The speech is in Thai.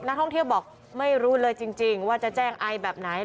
นักท่องเที่ยวบอกไม่รู้เลยจริงว่าจะแจ้งไอแบบไหน